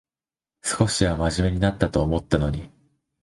少しはまじめになったと思ったのに